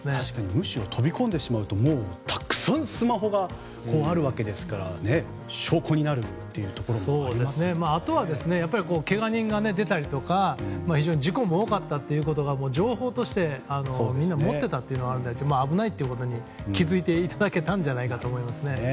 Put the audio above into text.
むしろ飛び込んでしまうとたくさんスマホがあるわけですからあとはけが人が出たりとか非常に事故も多かったということが情報としてみんな持っていたというのがあるので危ないということに気づいていただけたんだと思います。